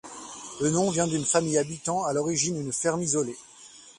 Le nom vient d'une famille habitant à l'origine une ferme isolée.